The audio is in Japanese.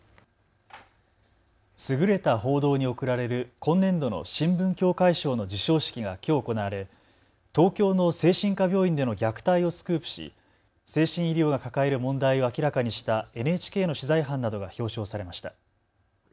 優れた報道に贈られる今年度の新聞協会賞の授賞式がきょう行われ、東京の精神科病院での虐待をスクープし、精神医療が抱える問題を明らかにしたＮＨＫの取材班などが表彰されました。